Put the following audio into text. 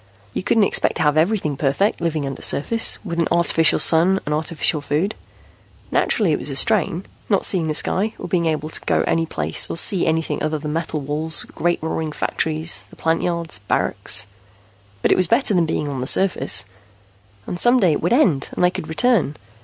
You couldn't expect to have everything perfect, living undersurface, with an artificial sun and artificial food. Naturally it was a strain, not seeing the sky or being able to go any place or see anything other than metal walls, great roaring factories, the plant yards, barracks. But it was better than being on surface. And some day it would end and they could return.